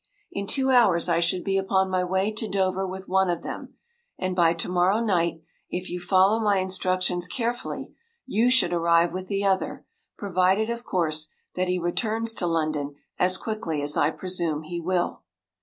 “In two hours I should be upon my way to Dover with one of them, and by tomorrow night, if you follow my instructions carefully, you should arrive with the other, provided, of course, that he returns to London as quickly as I presume he will.